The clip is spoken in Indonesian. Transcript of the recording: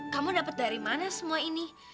kamu dapat dari mana semua ini